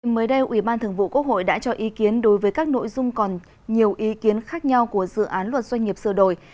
mới đây ủy ban thường vụ quốc hội đã cho ý kiến đối với các nội dung còn nhiều ý kiến khác nhau của dự án luật doanh nghiệp sửa đổi